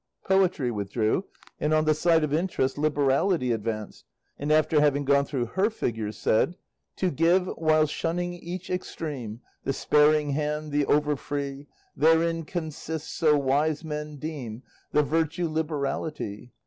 Poetry withdrew, and on the side of Interest Liberality advanced, and after having gone through her figures, said: To give, while shunning each extreme, The sparing hand, the over free, Therein consists, so wise men deem, The virtue Liberality.